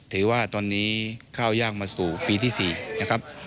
ถือว่าตอนนี้ข้าวย่างมาสู่ปีที่๔นะครับ